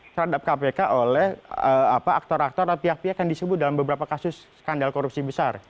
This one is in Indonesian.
terhadap kpk oleh aktor aktor atau pihak pihak yang disebut dalam beberapa kasus skandal korupsi besar